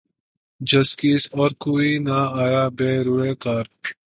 جزقیس اور کوئی نہ آیا بہ روے کار